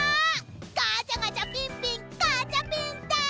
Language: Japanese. ガチャガチャピンピンガチャピンです！